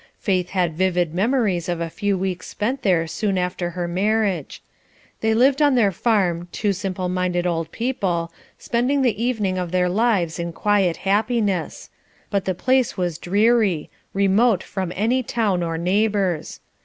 Faith had vivid memories of a few weeks spent there soon after her marriage. They lived on their farm, two simple minded old people, spending the evening of their lives in quiet happiness; but the place was dreary, remote from any town or neighbours.